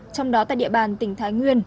trong đó tại địa bàn tỉnh thái nguyên